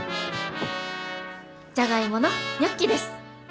じゃがいものニョッキです。